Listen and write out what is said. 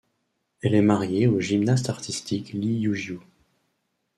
Elle est mariée au gymnaste artistique Li Yuejiu.